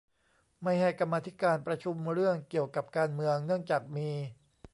ไม่ให้กรรมาธิการประชุมเรื่องเกี่ยวกับการเมืองเนื่องจากมี